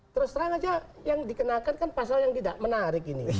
terus terang aja yang dikenakan kan pasal yang tidak menarik ini